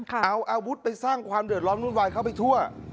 เอาอาวุธไปสร้างความเดือดร้อนวุ่นวายเข้าไปทั่ว